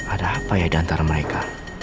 ada apa ya diantara mereka